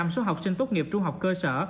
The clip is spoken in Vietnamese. số học sinh tốt nghiệp trung học cơ sở